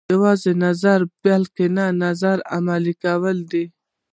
دا یوازې نظر نه بلکې د نظر عملي کول دي.